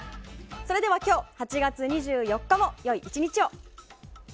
それでは今日、８月２４日もよい１日を。